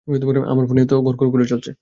আমার ফোনে তো গরগর করে চলছে।